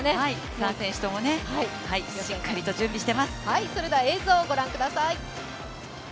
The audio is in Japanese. ３選手ともしっかり準備しています。